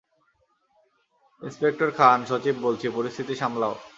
Inspector Khan, সচিব বলছি, পরিস্থিতি সামলাও।